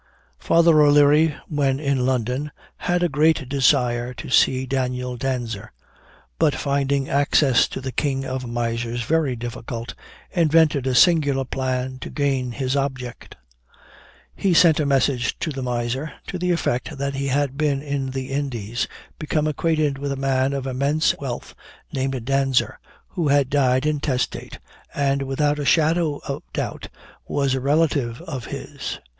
Father O'Leary, when in London, had a great desire to see Daniel Danser; but finding access to the king of misers very difficult, invented a singular plan to gain his object. He sent a message to the miser, to the effect that he had been in the Indies, become acquainted with a man of immense wealth named Danser, who had died intestate, and, without a shadow of doubt, was a relative of his.